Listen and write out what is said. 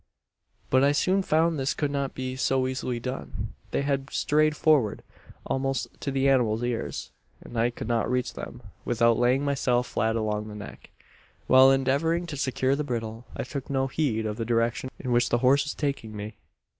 "But I soon found this could not be so easily done. They had strayed forward, almost to the animal's ears; and I could not reach them, without laying myself flat along the neck. "While endeavouring to secure the bridle, I took no heed of the direction in which the horse was taking me.